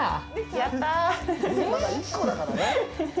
やったあ。